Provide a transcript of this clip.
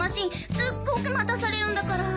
すっごく待たされるんだから。